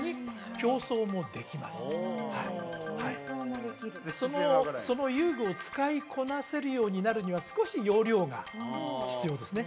競走もできるその遊具を使いこなせるようになるには少し要領が必要ですね